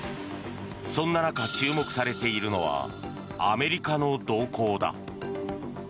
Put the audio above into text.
そんな中、注目されているのはアメリカの動向だ。